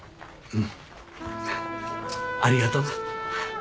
うんありがとな